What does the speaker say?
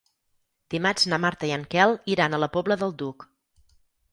Dimarts na Marta i en Quel iran a la Pobla del Duc.